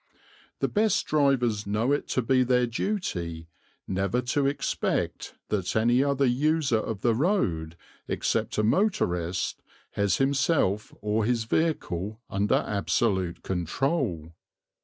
The best drivers know it to be their duty never to expect that any other user of the road except a motorist has himself or his vehicle under absolute control.